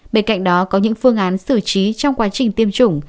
bên cạnh đó có những phương án xử trí trong quá trình tiêm chủng